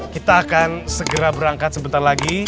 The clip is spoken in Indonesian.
kita akan segera berangkat sebentar lagi